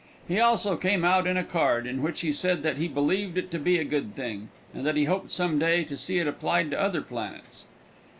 He also came out in a card in which he said that he believed it to be a good thing, and that he hoped some day to see it applied to the other planets.